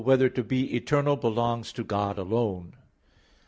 3] Whether to Be Eternal Belongs to God Alone?